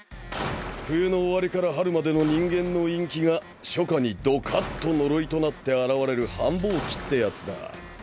冬の終わりから春までの人間の陰気が初夏にどかっと呪いとなって現れる繁忙期ってやつだ。